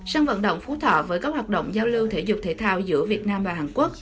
sân vận động phú thọ với các hoạt động giao lưu thể dục thể thao giữa việt nam và hàn quốc